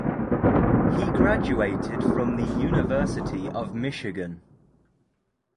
He graduated from the University of Michigan.